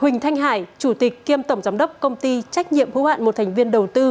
huỳnh thanh hải chủ tịch kiêm tổng giám đốc công ty trách nhiệm hữu hạn một thành viên đầu tư